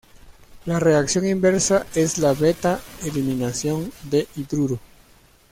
La reacción inversa es la beta eliminación de hidruro.